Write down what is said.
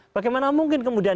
bagaimana mungkin kemudian